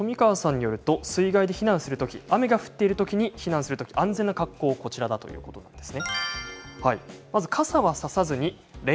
ちなみに冨川さんによると水害で避難するとき雨が降ってるときに避難するとき安全な格好はこちらだということです。